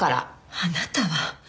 あなたは！